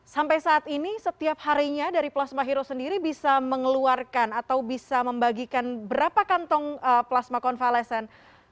sampai saat ini setiap harinya dari plasma hero sendiri bisa mengeluarkan atau bisa membagikan berapa kantong plasma konvalesen